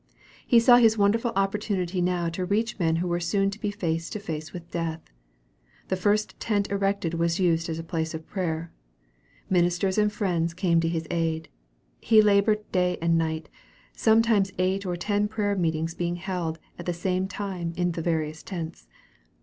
He saw his wonderful opportunity now to reach men who were soon to be face to face with death. The first tent erected was used as a place of prayer. Ministers and friends came to his aid. He labored day and night, sometimes eight or ten prayer meetings being held at the same time in the various tents.